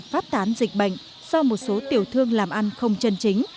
phát tán dịch bệnh do một số tiểu thương làm ăn không chân chính